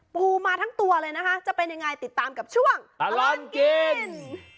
ปูมาทั้งตัวเลยนะคะจะเป็นยังไงติดตามกับช่วงตลอดกิน